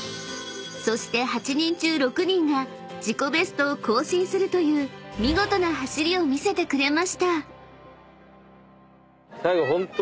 ［そして８人中６人が自己ベストを更新するという見事な走りを見せてくれました］